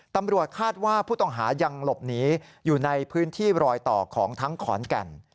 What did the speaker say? ตำรวจคาดว่าผู้ต้องหายังหลบหนีอยู่ในพื้นที่รอยต่อของทั้งขอนแก่น